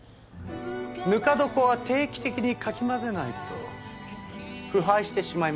ぬか床は定期的にかき混ぜないと腐敗してしまいますから。